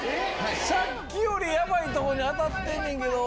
さっきよりやばいとこに当たってんねんけど。